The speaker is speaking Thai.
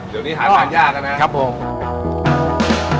เดี๋ยวนี้หาทางยากนะนะ